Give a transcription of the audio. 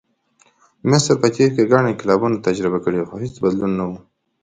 مصر په تېر کې ګڼ انقلابونه تجربه کړي، خو هېڅ بدلون نه و.